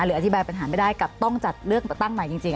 อธิบายปัญหาไม่ได้กับต้องจัดเลือกตั้งใหม่จริง